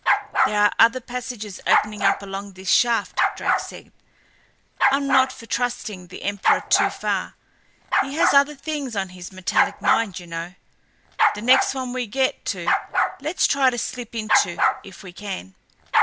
"There are other passages opening up along this shaft," Drake said. "I'm not for trusting the Emperor too far he has other things on his metallic mind, you know. The next one we get to, let's try to slip into if we can."